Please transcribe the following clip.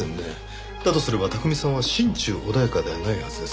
だとすれば巧さんは心中穏やかではないはずです。